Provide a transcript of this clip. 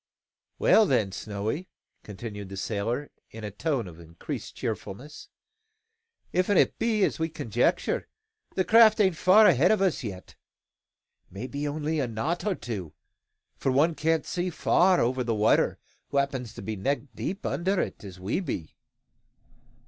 "Well, then, Snowy," continued the sailor, in a tone of increased cheerfulness, "if't be as we conjecture, the craft ain't far ahead o' us yet. Maybe only a knot or two; for one can't see far over the water who happens to be neck deep under it as we be.